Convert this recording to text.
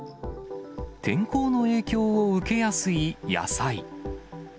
天候の影響を受けやすい野菜。